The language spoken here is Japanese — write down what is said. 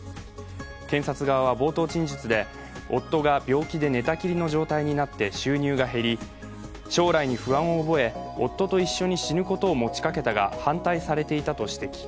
検察側は冒頭陳述で、夫が病気で寝たきりの状態になって収入が減り、将来に不安を覚え、夫と一緒に死ぬことを持ちかけたが、反対されていたと指摘。